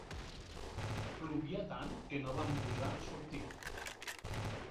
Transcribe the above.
Plovia tant que no vam gosar sortir.